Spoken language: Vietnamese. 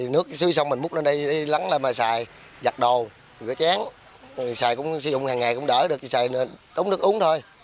nước xíu xong mình múc lên đây đi lắng là mà xài giặt đồ rửa chén xài cũng sử dụng hàng ngày cũng đỡ được xài đúng nước uống thôi